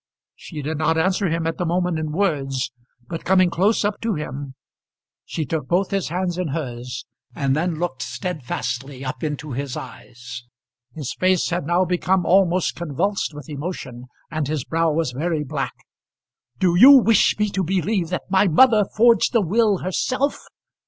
She did not answer him at the moment in words, but coming close up to him she took both his hands in hers, and then looked steadfastly up into his eyes. His face had now become almost convulsed with emotion, and his brow was very black. "Do you wish me to believe that my mother forged the will herself?"